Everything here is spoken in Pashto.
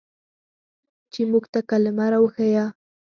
چې موږ ته کلمه راوښييه.